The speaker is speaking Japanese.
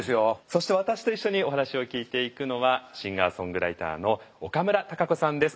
そして私と一緒にお話を聞いていくのはシンガーソングライターの岡村孝子さんです。